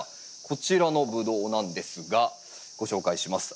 こちらのブドウなんですがご紹介します。